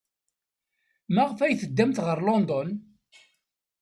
Maɣef ay teddamt ɣer London?